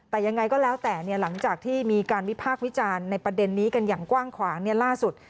แต่ยังไงก็แล้วแต่หลังจากที่มีการวิพากษ์วิจารณ์ในประเด็นนี้กันอย่างกว้างขวางล่าสุด